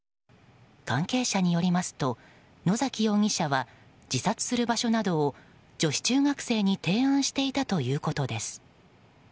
関係者によりますと野崎容疑者は自殺する場所などを女子中学生に提案していたということです。